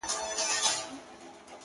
o ستا د تن سايه مي په وجود كي ده ـ